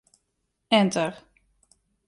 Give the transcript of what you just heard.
Enter.